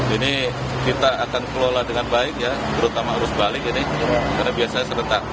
ini kita akan kelola dengan baik ya terutama arus balik ini karena biasanya seretak